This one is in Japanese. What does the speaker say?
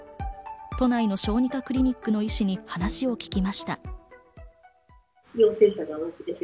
都内の小児科クリニックの医師に話を聞きました。